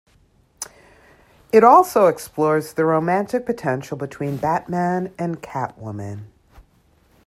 It also explores the romantic potential between Batman and Catwoman.